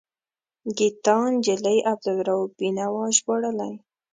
ګیتا نجلي عبدالرؤف بینوا ژباړلی.